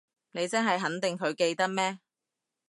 你真係肯定佢記得咩？